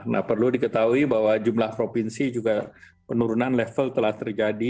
nah perlu diketahui bahwa jumlah provinsi juga penurunan level telah terjadi